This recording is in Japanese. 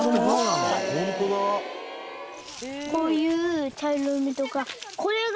こういう茶色い実とかこれが。